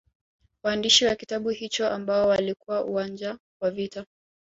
Waandishi wa kitabu hicho ambao walikuwa uwanja wa vita